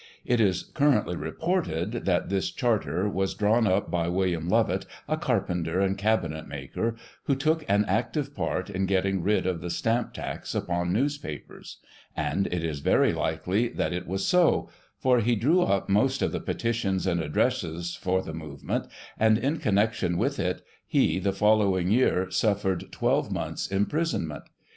It is currently reported that this " Charter " was drawn up by William Lovett, a carpenter and cabinet maker, who took an active part in getting rid of the stamp tax upon news papers ; and it is very likely that it was so, for he drew up most of the petitions and addresses for the movement, and, in connection with it, he, the following year, suffered 12 months' imprisonment.